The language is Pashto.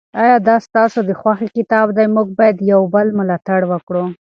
آیا دا ستاسو د خوښې کتاب دی؟ موږ باید د یو بل ملاتړ وکړو.